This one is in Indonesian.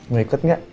mau ikut gak